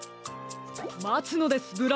まつのですブラウン！